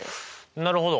なるほど。